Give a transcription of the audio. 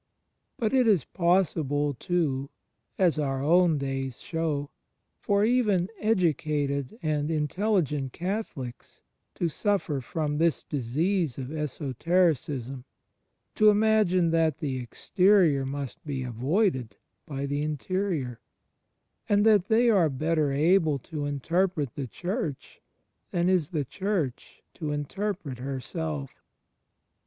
But it is possible, too (as our own days shew), for even educated and intelli gent Catholics to suffer from this disease of esotericism, to imagine that the Exterior must be avoided by the Interior, and that they are better able to interpret the Church than is the Church to interpret herself.